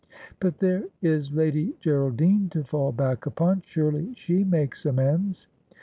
' But there is Lady Geraldine to fall back upon. Surely she makes amends.'